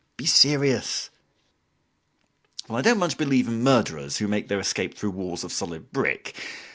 "Be serious!" "Well, I don't much believe in murderers* who make their escape through walls of solid brick.